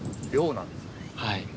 はい。